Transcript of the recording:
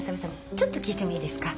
ちょっと聞いてもいいですか？